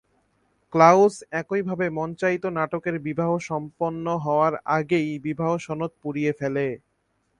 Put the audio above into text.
Clause একইভাবে মঞ্চায়িত নাটকের বিবাহ সম্পন্ন হওয়ার আগেই বিবাহ সনদ পুড়িয়ে ফেলে।